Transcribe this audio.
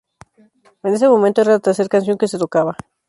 En ese momento, era la tercer canción que se tocaba.